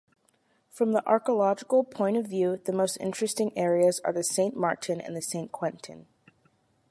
From the archaeological point of view, the most interesting areas are Saint-Martin and Saint-Quentin.